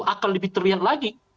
akan lebih terlihat lagi